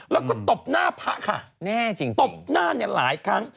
แล้วก็ตบหน้าพระค่ะตบหน้าเนี่ยหลายครั้ง